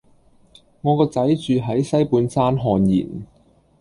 我個仔住喺西半山瀚然